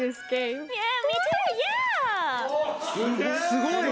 すごい！